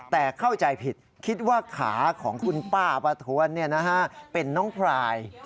แต่เข้าใจผิดคิดว่าขาของคุณป้าประทวนเป็นน้องพราย